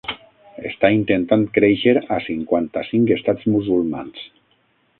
Està intentant créixer a cinquanta-cinc estats musulmans.